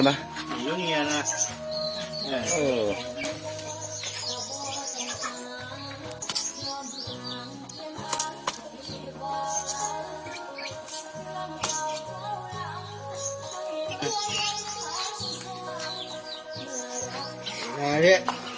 ไงเนี้ย